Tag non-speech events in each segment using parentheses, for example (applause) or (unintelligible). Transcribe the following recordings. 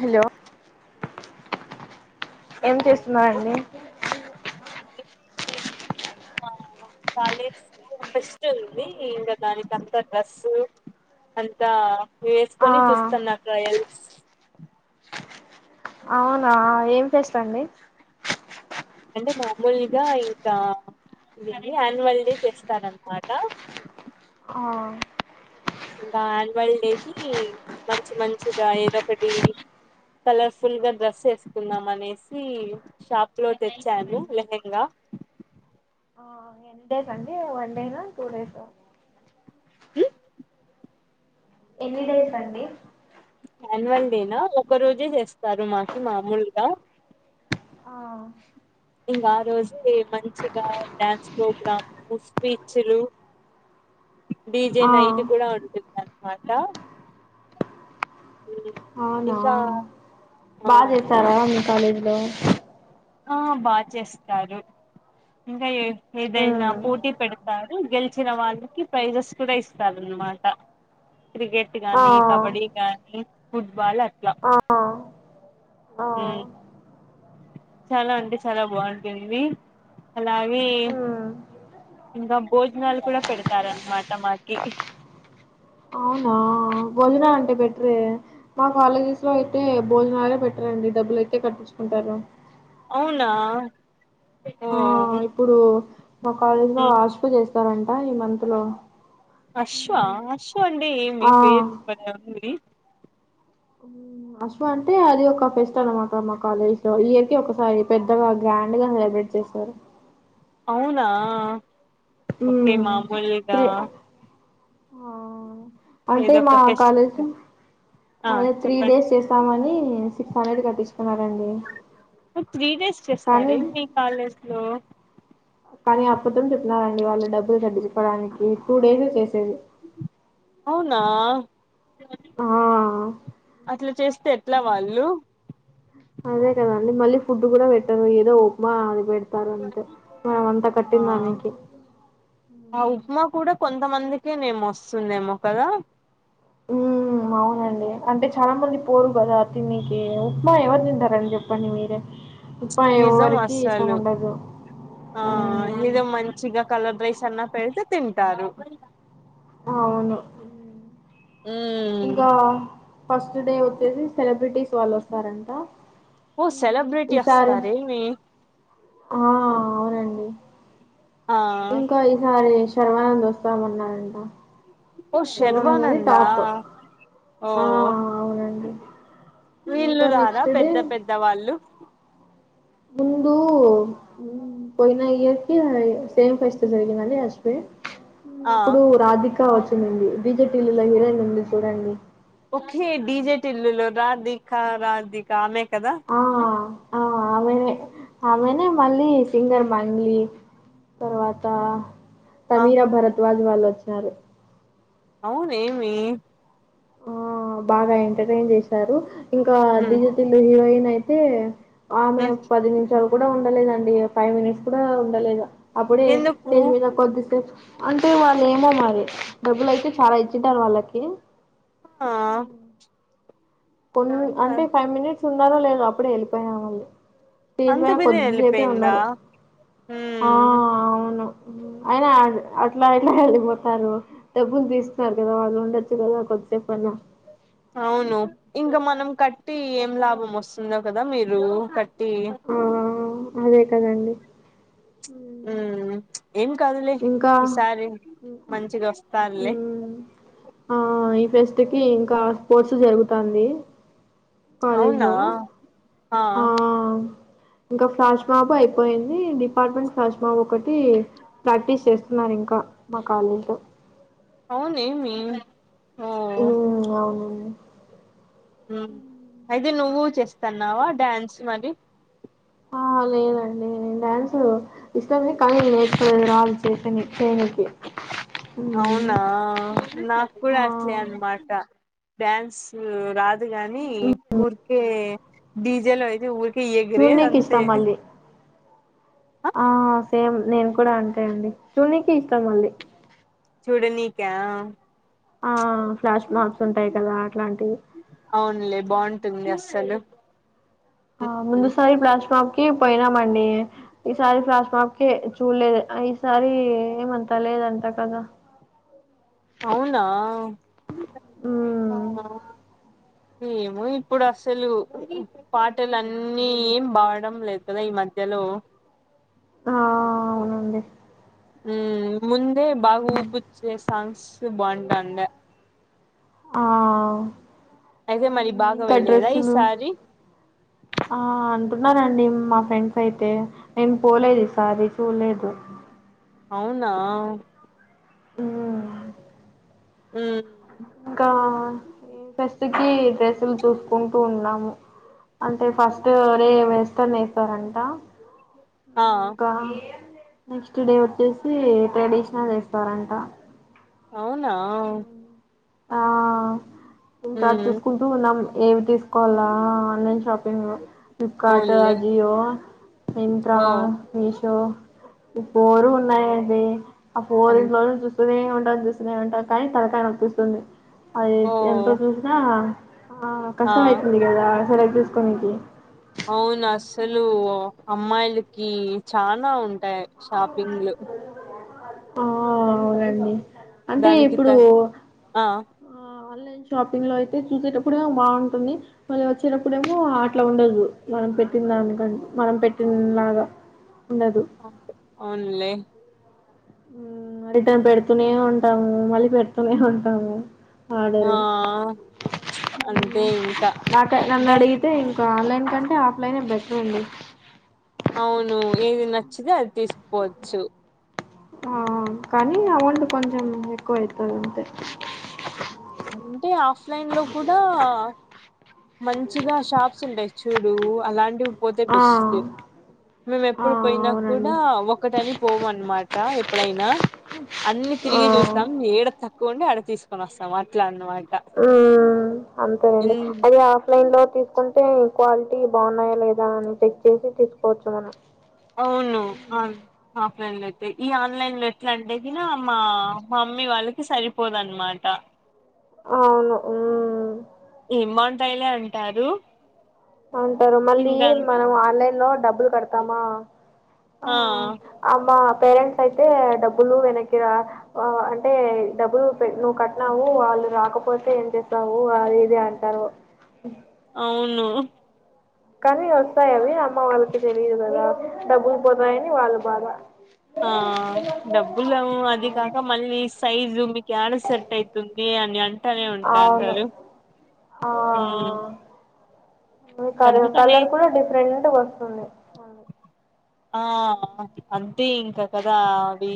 Hello ఏం ఆ చేస్తున్నార్ హలో అండి (unintelligible) రా (unintelligible) కాలేజ్ లో ఫెస్ట్ ఉంది ఇంగ దానిక్ అంతా డ్రస్సు అంతా ఆ ఏసుకొని చూస్తన్న ట్రయల్ అవునా ఏం ఫెస్ట్ అండి అంటే మామూల్గా ఇంకా విదీ యాన్వల్ డే చేస్తర్ అన్మాట ఆ ఇంగ యాన్వల్ డేకి మంచి మంచిగా ఏదో ఒకటి కలర్ఫుల్ గా డ్రస్ ఏసుకుంధామ్ అనేసి షాప్ లో తెచ్చాను లెహెంగా ఆ ఎన్ని డేస్ అండి వన్ డేనా టూ డేసా ఉ ఎన్ని డేస్ అండి యాన్వల్ డేనా ఒక్క రోజే చేస్తారు మాకి మాముల్గా ఆ ఇంకా ఆ రోజే మంచిగా డ్యాన్స్ ప్రోగ్రామ్ స్పీచ్లు డీజే ఆ నైట్క్ కుడా ఉంటుంద్ అన్మాట అవునా ఆ బా జేస్తారా మీ కాలేజ్ లో ఆ బా చేస్తారు ఇంకా ఏద్ ఏదైనా పోటీ పెడతారు గెల్చిన వాళ్ళకి ప్రైజెస్ కుడా ఇస్తారున్ మాట క్రికెట్ ఆ గానీ కబడ్డీ కానీ ఫుట్బాల్ అట్లా ఆ ఆ ఉమ్, చాలా అంటే చాలా బాంటుంది అలాగే మ్మ్ ఇంగ భోజనాలు కుడా పెడతార్ అన్మాట మాకి భోజనాల్ అంటే పెట్రే మా కాలేజెస్ లో అయితే భోజనాలే పెట్ర్ అండి డబ్బులు అయితే కట్టిచ్కుంట్ తరు అవునా ఓ ఆ ఇప్పుడు మా కాలేజ్ లో ఉమ్. ఆస్కో చేస్తారంట ఈ మంత్ లో అశ్వ అశ్వ అంటే ఏమి ఆ పేరు భలే ఉంది హ్మ్ అశ్వ అంటే అది ఒక ఫెస్ట్ అనమాట మా కాలేజ్ లో ఇయర్కి ఒకసారి పెద్దగా గ్రాండ్ గా వెయిట్ చేశారు అవునా ఓకే ఉమ్ మామూలుగా త్రీ ఆ అంటే ఏదో మా ఒక ఫెస్ట్ కాలేజ్ కు ఆ అదే త్రీ చెప్పండి డేస్ చేస్తామని సిక్స్ హండ్రెడ్ కట్టించుకున్నారండి త్రీ డేస్ కానీ చేస్తార్ మీ కాలేజ్ లో కానీ ఆపదం చేపినారండి వాళ్ళు డబ్బులు తాగించడానికి టూ డేస్ చేస్ అవునా ఆ అట్లా చేస్తే ఎట్లా వాళ్ళు అదే కదండి మళ్ళీ ఫుడ్ కూడా పెట్టారు ఏదో ఉప్మా ఆది పేడ్ తారు అంతే మనం అంతా ఆ కట్టిందానికి ఆ ఉప్మా కూడా కొంతమందికే నెమో వస్తుందేమో కదా హ్మ్ అవునండి అంటే చాలా మంది పోరు కదా తినేకి ఉప్మా ఎవరు తింటారండి చెప్పండి మీరే ఉప్మా నిజం ఎవరికి ఇష్టం అసలు ఉండదు ఆ నిజం మంచిగా కలర్ రైస్ అన్న పెడితే తింటారు ఆ అవును ఉమ్ ఇంకా ఫస్ట్ డే వచ్చేసి సెలబ్రిటీస్ వాళ్ళు వస్తారంట ఓ సెలబ్రిటీ ఈసారి వస్తార్ ఏమీ ఆ అవునండి ఆ ఇంకా ఈసారి శర్వానంద్ వస్తామన్నారంట ఓ శర్వానంద్ అని శర్వానందా టాప్ ఓ ఆ అవునండి వీళ్ళు ఇంకా రారా నెక్స్ట్ డే పెద్ద పెద్ద వాళ్ళు ముందు పోయిన ఇయర్ కి సేమ్ ఫెస్ట్ జరిగిదండి అశ్వ్ హ్మ్ ఆ అప్పుడు రాధిక వచ్చిందండి డీజే టిల్లు హీరోయిన్ ఉంది చూడండి ఒకే డీజేటిల్లులో రాధిక రాధిక ఆమె కదా ఆ ఆ ఆమె ఆమెనే మళ్ళీ సింగర్ మంగ్లి తర్వాత ఆ సమీరా భరద్వాజ్ వాళ్ళు వచ్చరు అవును ఏమి ఆ బాగా ఎంటర్టైన్ చేశారు ఇంకా హ్మ్ డీజే టిల్లు హీరోయిన్ అయితే ఆమె హ్మ్ పది నిమిషాలు కూడా ఉండలేదండి ఫైవ్ మినిట్స్ కూడా ఉండలేదు అప్పుడే ఎందుకు స్టేజ్ మీద కొద్దిసే అంటే వాళ్ళు ఏమో మ డబ్బులు అయితే చాలా ఇచ్చింటారు వాళ్ళకి ఆ కొన్ అంటే ఫైవ్ మినిట్స్ ఉన్నారో లేదో అప్పుడే వెళ్ళిపోయినరు మళ్ళీ స్టేజి అంత పైన బిర్యం కొద్దిసేపే వెళ్ళిపోయిందా ఉన్నారు ఆ హ్మ్ అవును అయినా అట్లా ఎందుకు ఎళ్ళిపో స్తారు డబ్బులు తీస్తున్నారు కదా వాళ్ళు ఉండొచ్చు కదా కొద్దిసేపు అన్న అవును ఇంగ మనం కట్టి ఏం లాభం వస్తుందో కదా మీరు కట్ టి ఆ! అదే కదండి హ్మ్ ఏం కాదులే ఇంకా ఈసారి మంచింగా వస్తలే మ్మ్ ఆ ఈ ఫెస్ట్ కి ఇంకా స్పోర్ట్స్ జరుగుతాంది కాలేజ్ అవునా ఆ అ ఇంకా ఫ్లాష్ మాఫ అయిపోయింది డిపార్ట్మెంట్ ఫ్లాష్ మాఫ ఒకటి ప్రాక్టీస్ చేస్తున్నారు ఇంకా మాకాలేదు అవును ఏమి మ్మ్ అవునండి హు అయితే నువ్వు చేస్తాన్నావా డ్యాన్స్ మరి ఆ లేదండి నేను డ్యాన్సు ఇష్టమ కానీ నేర్చులేదు రాదు చేయానికి కూ (unintelligible) అవునా నాకు కూడా ఆ అలనీ అన్నమాట డ్యాన్స్ రాజ కాని ఊరికే డీజెల్ అయితే ఊరికే ఎగిరే చూడ్నికి అంతే ఇష్టం మళ్ళీ ఆ సేమ్ నేను కూడా అంటాయండి చూ నకి ఇష్టాం వుంది చూడ నీకా ఆ ఫ్లాష్ మార్ప్స్ ఉంటాయి కదా అట్లాంటివి అవునులే బాగుంటుంది అస్సలు ఆ ఉమ్, ముందుసారి ప్లాస్మా కి ఇ పోయినామండి ఈసారి ప్లాస్మాప్ క చూడలేదు ఈసారి ఏమంతాలే ఈ దంతా కదా అవునా ఉమ్ ఏమ ఇప్పుడు అసలు పాటలు అన్నీ ఏం బవడం లేదు కదా ఈ మధ్య హలో ఆ అవునండి ఉ ముందే బాగా ఊపిచ్చే సాంగ్స్ బాగుంటాండ ఆ అయితే మరి ఉమ్ బాగా ఇంకా వేయలేదా డ్రెస్సులు ఈసారి ఆ అంటున్నారండి మా ఫ్రెండ్స్ అయితే నేను పోలేదు ఈసారి చూడలేదు అవునా ఉమ్ ఉ ఇంకా ఫస్ట్ కి డ్రెస్సులు చూసుకుంటూ ఉన్నాము అంటే ఫస్ట్ రే వేస్తాన్ వేస్తారంట ఆ ఇంకా నెక్స్ట్ డే వచ్చేసి ట్రెడిషనల్ వేస్తారంట అవునా ఆ ఇంకా ఉమ్ చూసుకుంటూ ఉన్నాం ఏవి తీసుకోవాలా ఆన్లైన్ షాపింగ్ ఫ్లిప్కార్ట్ అవునులే అజియో ఇంట్రా ఓ మీషో ఇ ఊరు ఉన్నాయండి ఆ (unintelligible) ఫోర్ అన్ ఇం రోజులు చూస్తూనే ఉంటారు చూస్తూనే ఉంటారు కానీ తనకాయని అనిపిస్తుంది అయి ఓ ఎంత చూసిన ఆ ఆ కష్టం అతుంది కదా హలాక్ తీసుకో ననికి (unintelligible) అవును అసలు అమ్మాయిలకి చనా ఉంట టే షాపింగ్ లు ఆ అవునండి అంటే దానికి త ఇప్పుడు ఆ ఆ ఆన్లైన్ షాపింగ్ లో అయితే చూసేటప్పుడే బాగుంటుంది మళ్ళీ వచ్చేటప్పుడేమో అట్లా ఉండదు మనం పెట్టిందానికం మనం పెట్టి లాగా అవులే హు రిటర్న్ పెడుతూనే ఉంటాము మళ్ళీ పెడుతూనే ఉంటాము ఆ వాడరు అంతే ఇంకా నాట నన్న అంటే అడిగితే ఇ ఆన్లైన్ కంటే ఆఫ్లైనే బెటర్ ఉంది అవును ఏది నచ్చితే అది తీసుకుపోవచ్చు ఆ కానీ ఆ వంంట కొంచెం ఎక్కువ అవుతుంది అంతే అంటే ఆఫ్లైన్ లో కూడా మంచిగా షాప్స్ ఉంటాయి చూడు అలాంటి పోతే ఆ బెస్ట్ మేము ఆ ఎప్పుడు పోయినా కూడా అవునండి ఒకటని పోము అన్నమాట ఎప్పుడైనా అన్ని తిరిగి ఆ చూస్తాం ఏడ తక్కువ ఉంటే ఆడ తీసుకొని వస్తాం అట్లా అన్నమా హ్మ్ అంతేనండి అది ఆఫ్లైన్ లో తీసుకుంటే క్వాలిటీ బాగున్నాయా లేదా అని చెక్ చేసి తీసుకోవచ్చు మనం అవును ఆను ఆఫ్లైన్ లో ఈ ఆన్లైన్ లో ఎట్లా అంటే కి నా మా మమ్మీ వాళ్ళకి సరిపోదునమాట అవును హ్మ్ టైలే అంటారు అంటారు మళ్ళీ ఇంకా మనం ఆన్లైన్ లో డబ్బులు కడతామా ఆ ఆమా పేరెంట్స్ అయితే డబ్బులు వెనక్కి రా అంటే డబ్బులు నువ్వు కట్టినావు వా రాకపోతే ఏం చేస్తావు అది ఇది అంటారు అవును కానీ వస్తాయవి అమ్మ వాళ్ళకి తెలియదు కదా డబ్బులు పోతాయని వాళ్ళు బాధ ఆ డబ్బులు అది కాక మళ్ళీ సైజు మీకు ఎడ సెట్ అయితుం ఏం అనియన్ అవును ఆ క అందుకని కలర్ కూడా డిఫరెంట్ వస్తుంది ఆ అంతే ఇంక కదా అవి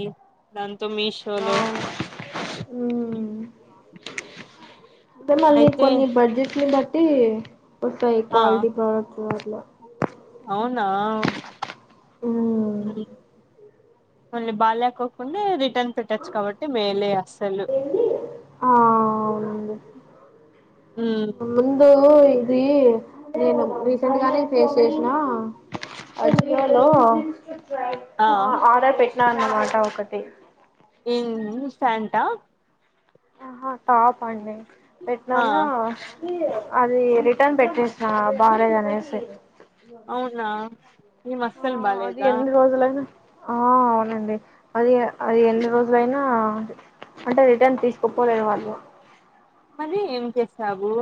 అం త మీషోలో అవును ఉమ్ అంటే మళ్ళీ అయితే కొన్ని బడ్జెట్ ని బట్టి వస్తాయి ఆ క్వాలిటీ ప్రోడక్ట్స్ అట్ల అవునా మ్మ్ హ్మ్ మళ్ళీ బాలేకోకుంటే రి టన్ పెట్టొచ్చు కాబట్టి మేలే అసలు అవునండి ముందు ఇది నేను రీసెంట్ గానే ఫేస్ చేసినా అ జియోలో ఆ ఆర్డర్ పెట్టినా అన్నమాట ఒకటి హ్మ్ ఇన్స్టంటా ఆహా టాపండి ఆ పెట్టినాన అది రిటర్న్ పెట్టేసా బాలేదు అనేసి అవునా ఏం ఆ అస్సలు అది బాలేదా ఎన్ని రోజులైనా ఆ అవునండి అది అది ఎన్ని రోజులైనా అంటే రిటర్న్ తీసుకోపోలేదు వాళ్ళు మరి ఏం చేసావు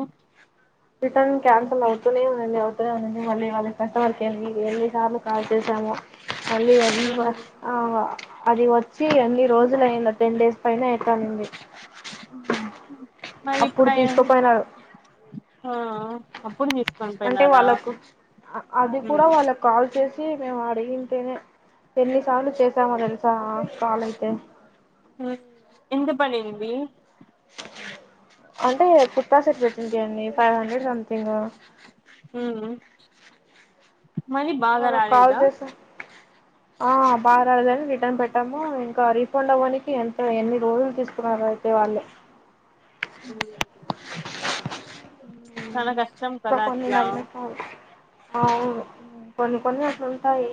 రిటర్న్ క్యాన్సల్ అవుతునేఉంది అవుతూనేఉంది అ మళ్ళీ వాళ్ళ కస్టమర్ కేర్కి ఎన్ని సార్లు కాల్ చేసానో ఉమ్ (unintelligible) అది వచ్చి ఎన్ని రోజులు అయిందో టెన్ డేస్ పైనే అయితాంది మరి ఇప్పుడయన్నీ ఆ అప్పుడు తీసుకొని అంటే పోయినారా వాళ్ళకు అది ఉమ్ కూడా వాళ్ళకు కాల్ చేసి ఛీ మేము అడిగింటేనే ఎన్నిసార్లు చేసామో తెలుసా కాల్ అయితే హ్మ్ ఎంత పనైంది అంటే కుర్త్తా సెట్ పెట్టి చేయండి ఫైవ్ హండ్రెడ్ సంథింగ్ హ్మ్ వాడికి కాల్ చేసి ఆ బా రాలేదని రిటర్న్ పెట్టాము ఇంకా రీఫండ్ అవ్వనీకి ఎంత ఎన్ని రోజులు తీసుకున్నారో అయితే వాళ్ళు చాలా కష్ అవును కొన్ని కొన్ని అట్లుంటాయి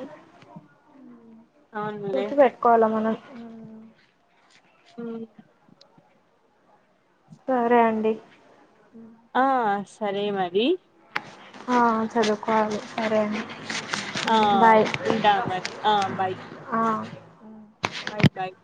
అవునులే చూసి పెట్టుకోవాలా మనం హ్మ్ సరే అండి ఆ సరే మరి ఆ చదువుకోవాలి సరే ఆ అం బాయ్ ఉంటా మరి ఆ ఆయితయ